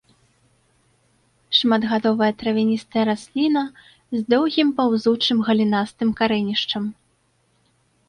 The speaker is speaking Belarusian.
Шматгадовая травяністая расліна з доўгім паўзучым галінастым карэнішчам.